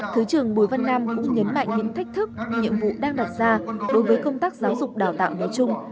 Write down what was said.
thứ trưởng bùi văn nam cũng nhấn mạnh những thách thức nhiệm vụ đang đặt ra đối với công tác giáo dục đào tạo nói chung